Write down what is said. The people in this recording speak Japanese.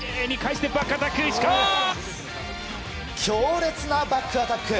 強烈なバックアタック。